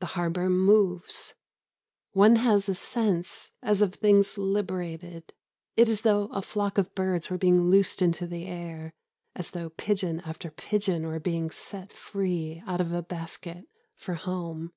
The harbour moves. One has a sense as of things liberated. It is as though a flock of birds were being loosed into the air as though pigeon after pigeon were being set free out of a basket for home.